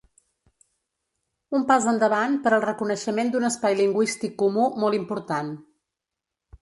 Un pas endavant per al reconeixement d’un espai lingüístic comú molt important.